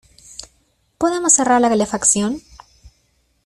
¿Podemos cerrar la calefacción?